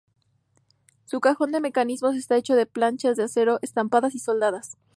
Su cajón de mecanismos está hecho de planchas de acero estampadas y soldadas.